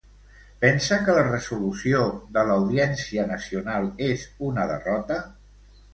Pensa que la resolució de l'Audiència Nacional és una derrota?